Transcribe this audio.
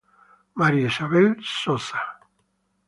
María Isabel Sosa.